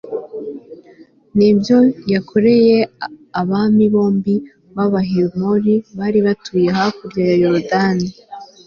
n'ibyo yakoreye abami bombi b'abahemori bari batuye hakurya ya yorudani